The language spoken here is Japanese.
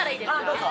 ◆どうぞ。